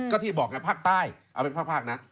ก็ที่บอกไงภาคใต้เอาเป็นภาคนะ